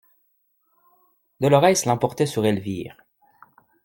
Dolorès l'emportait sur Elvire.